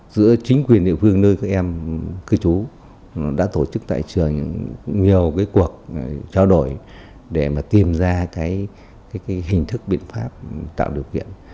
giữa chính quyền địa phương nơi các em cư trú đã tổ chức tại trường nhiều cuộc trao đổi để mà tìm ra cái hình thức biện pháp tạo điều kiện